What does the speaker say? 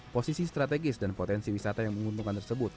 posisi strategis dan potensi wisata yang menguntungkan tersebut